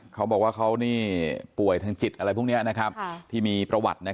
เขาบอกว่าเรื่องนี้ป่วยทางจิตพวกมีประวัติ